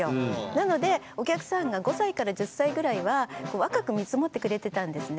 なのでお客さんが５歳から１０歳ぐらいは若く見積もってくれてたんですね。